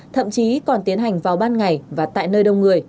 thậm chí còn tiến hành vào ban ngày và tại nơi đông người